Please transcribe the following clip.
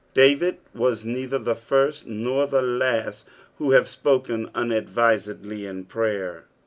David was neither the first nor the last who have spoken unadvisedly in prayer.